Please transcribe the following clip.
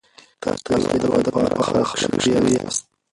تاسو د یو هدف لپاره خلق شوي یاست.